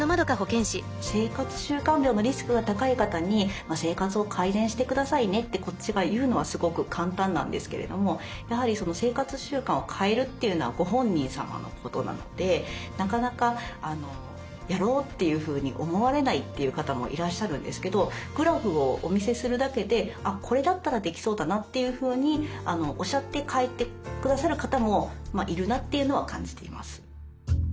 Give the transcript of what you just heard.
生活習慣病のリスクが高い方に「生活を改善してくださいね」ってこっちが言うのはすごく簡単なんですけれどもやはり生活習慣を変えるというのはご本人様のことなのでなかなかやろうというふうに思われないという方もいらっしゃるんですけどグラフをお見せするだけで「これだったらできそうだな」というふうにおっしゃって帰ってくださる方もいるなというのは感じています。